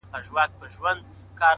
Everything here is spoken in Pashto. پوه انسان له هر حالت زده کوي’